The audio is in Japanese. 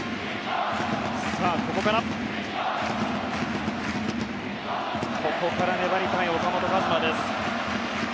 ここから粘りたい岡本和真。